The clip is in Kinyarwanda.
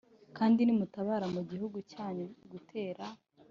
Kandi nimutabara mu gihugu cyanyu gutera